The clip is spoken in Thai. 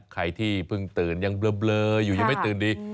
ใครที่เพิ่งตื่นยังเบลออยู่ยังไม่ตื่นดี